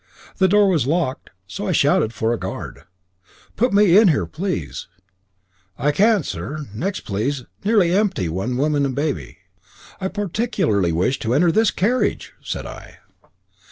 The door was locked, so I shouted for a guard. "Put me in here, please." "Can't there, s'r; next, please, nearly empty, one woman and baby." "I particularly wish to enter this carriage," said I.